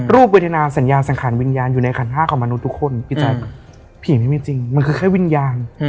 เวทนาสัญญาสังขารวิญญาณอยู่ในขันห้าของมนุษย์ทุกคนพี่แจ๊คผีไม่มีจริงมันคือแค่วิญญาณ